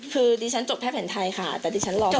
คือดิฉันจบแพทย์แผนไทยค่ะแต่ดิฉันรอก่อน